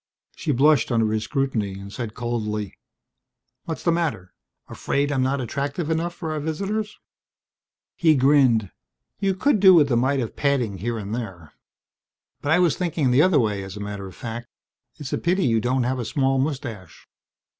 She blushed under his scrutiny, said coldly, "What's the matter? Afraid I'm not attractive enough for our visitors?" He grinned. "You could do with a mite of padding here and there. But I was thinking the other way, as a matter of fact. It's a pity you don't have a small mustache."